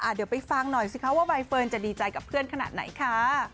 เดี๋ยวไปฟังหน่อยสิคะว่าใบเฟิร์นจะดีใจกับเพื่อนขนาดไหนค่ะ